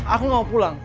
aku gak mau pulang